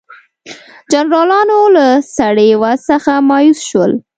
جنرالانو له سړې وضع څخه مایوس شول.